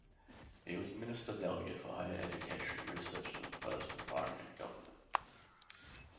He was Minister Delegate for Higher Education and Research in the first Raffarin government.